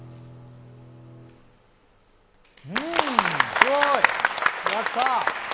すごい、よかった！